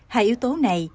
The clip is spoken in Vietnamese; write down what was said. hai yếu tố này